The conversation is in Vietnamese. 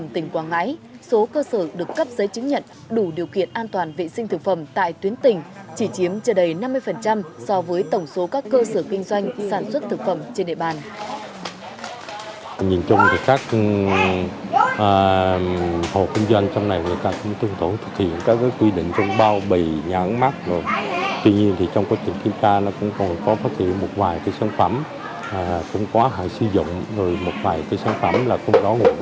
tỉnh quảng ngãi số cơ sở được cấp giấy chứng nhận đủ điều kiện an toàn vệ sinh thực phẩm tại tuyến tỉnh chỉ chiếm chờ đầy năm mươi so với tổng số các cơ sở kinh doanh sản xuất thực phẩm trên địa bàn